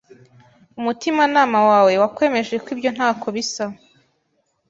Umutimanama wawe wakwemeje ko ibyo ntako bisa